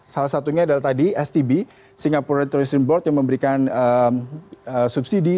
salah satunya adalah tadi stb singapura tourism board yang memberikan subsidi